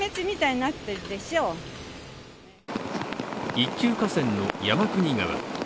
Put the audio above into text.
一級河川の山国川。